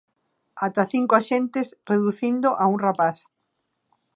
Ata cinco axentes reducindo a un rapaz.